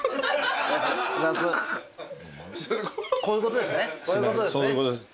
こういうことですね。